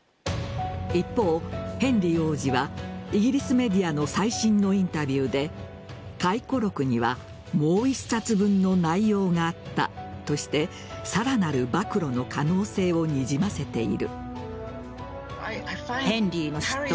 一方、ヘンリー王子はイギリスメディアの最新のインタビューで回顧録にはもう１冊分の内容があったとしてさらなる暴露の可能性をにじませている。